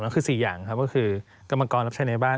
ก็คือ๔อย่างครับก็คือกรรมกรรับใช้ในบ้าน